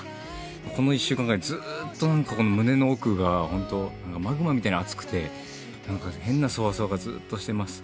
この１週間ぐらい、ずっとなんか、胸の奥が、本当、マグマみたいに熱くて、なんか変なそわそわが、ずっとしてます。